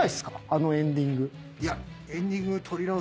あのエンディング。